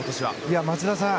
松田さん